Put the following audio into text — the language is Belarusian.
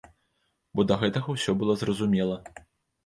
Бо да гэтага ўсё было зразумела.